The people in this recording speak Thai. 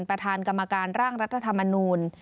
ประธานกรรมการร่างรัฐธรรมนูล